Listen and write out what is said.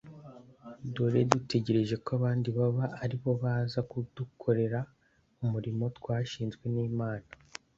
duhore dutegereje ko abandi baba aribo baza kudukorera umurimo twashinzwe n'imana